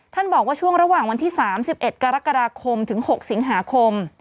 บอกว่าช่วงระหว่างวันที่๓๑กรกฎาคมถึง๖สิงหาคม